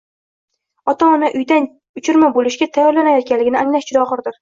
ota-ona uyidan uchirma bo‘lishga tayyorlanayotganligini anglash juda og‘irdir.